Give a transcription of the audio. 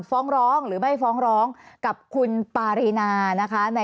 ฟ้องร้องหรือไม่ฟ้องร้องกับคุณปารีนานะคะ